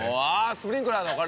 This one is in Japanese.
スプリンクラーだ。